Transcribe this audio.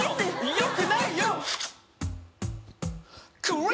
よくないよっ！！